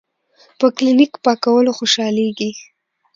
پۀ کلینک پاکولو خوشالیږي ـ